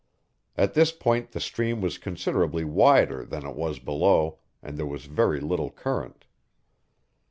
At this point the stream was considerably wider than it was below, and there was very little current.